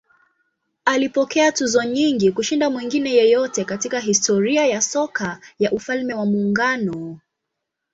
Alipokea tuzo nyingi kushinda mwingine yeyote katika historia ya soka ya Ufalme wa Muungano.